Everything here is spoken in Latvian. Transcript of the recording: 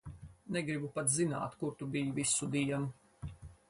Negribu pat zināt, kur tu biji visu dienu.